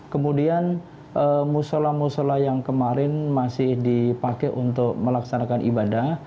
kemudian musola musola yang kemarin masih dipakai untuk melaksanakan ibadah